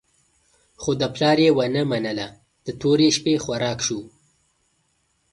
خو د پلار یې ونه منله، د تورې شپې خوراک شو.